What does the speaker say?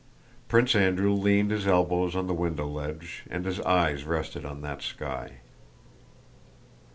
Prince Andrew leaned his elbows on the window ledge and his eyes rested on that sky.